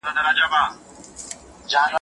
وارثانو له کونډي سره څه کول؟